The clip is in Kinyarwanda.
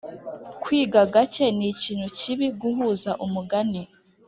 kwiga gake nikintu kibi guhuza umugani